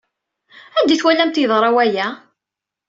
Anda ay twalamt yeḍra waya?